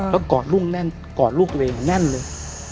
แล้วกอดลูกแน่นกอดลูกเลแน่นเลย